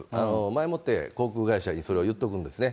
前もって航空会社にそれを言っておくんですね。